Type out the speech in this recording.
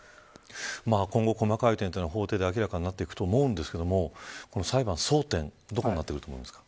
今後、細かい点は、法廷で明らかになっていくと思いますがこの裁判の争点はどこになってくると思いますか。